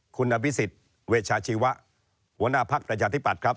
คุณอภิษฎเวชาชีวะหัวหน้าภักดิ์ประชาธิปัตย์ครับ